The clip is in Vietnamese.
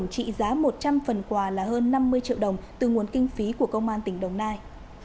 các phần quà là hơn năm mươi triệu đồng từ nguồn kinh phí của công an tỉnh đồng nai